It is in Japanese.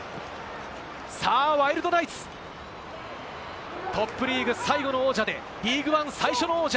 ワイルドナイツ、トップリーグ最後の王者でリーグワン最初の王者。